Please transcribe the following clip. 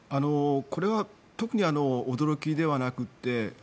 これは特に驚きではなくて。